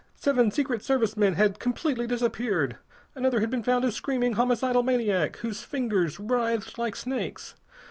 Seven Secret Service men had completely disappeared. Another had been found a screaming, homicidal maniac, whose fingers writhed like snakes.